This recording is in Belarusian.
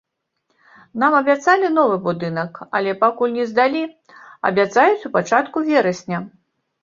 Нам абяцалі новы будынак, але пакуль не здалі, абяцаюць у пачатку верасня.